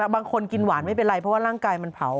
บางคนกินหวานไม่เป็นไรเพราะว่าร่างกายมันเผา